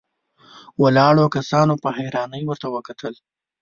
ولاړو کسانو په حيرانۍ ورته وکتل.